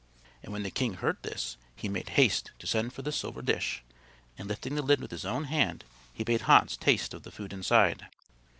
And when the king heard this he made haste to send for the silver dish and lifting the lid with his own hand he bade Hans taste of the food inside.